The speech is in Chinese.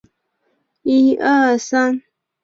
授官翰林院修撰。